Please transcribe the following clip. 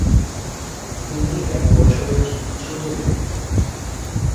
তিনি এক বছরের ছুটি নেন।